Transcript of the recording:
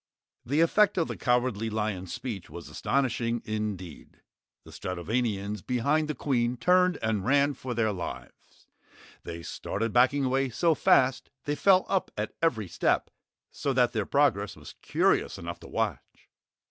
The effect of the Cowardly Lion's speech was astonishing, indeed. The Stratovanians behind the Queen turned and ran for their lives. They started backing away so fast they fell up at every step, so that their progress was curious enough to watch.